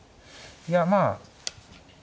いやまあ